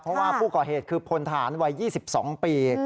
เพราะว่าผู้ก่อเหตุคือพลทหารวัย๒๒ปี